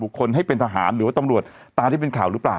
คนให้เป็นทหารหรือว่าตำรวจตามที่เป็นข่าวหรือเปล่า